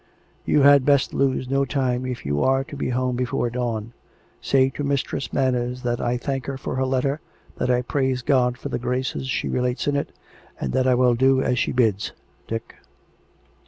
..." You had best lose no time if you are to be home before dawn. Say to Mistress Manners that I thank her for her letter; that I praise God for the graces she relates in it; and that I will do as she bids. ... Dick."